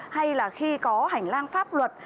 hay là khi có hành lang pháp luật